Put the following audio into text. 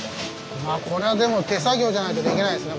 これはでも手作業じゃないとできないですね。